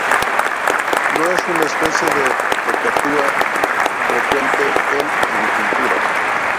No es una especie de cacatúa frecuente en avicultura.